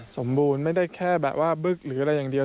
สมบูรณ์ไม่ได้แค่แบบว่าบึ๊กหรืออะไรอย่างเดียว